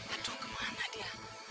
aduh kemana dia